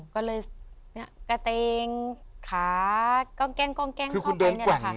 ก็เลยเนี้ยกระเต็งขาก้องแก้งก้องแก้งเข้าไปคือคุณเดินกว่าง